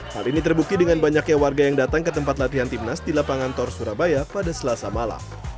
hal ini terbukti dengan banyaknya warga yang datang ke tempat latihan timnas di lapangan tor surabaya pada selasa malam